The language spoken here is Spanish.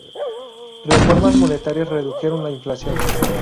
Reformas monetarias redujeron la inflación.